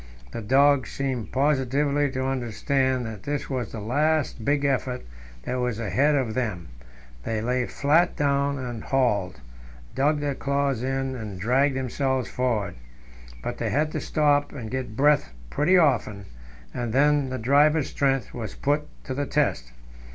The dogs seemed positively to understand that this was the last big effort that was asked of them; they lay flat down and hauled, dug their claws in and dragged themselves forward. But they had to stop and get breath pretty often, and then the driver's strength was put to the test.